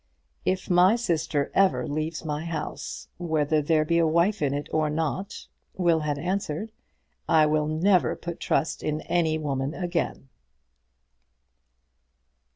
"If my sister ever leaves my house, whether there be a wife in it or not," Will had answered, "I will never put trust in any woman again."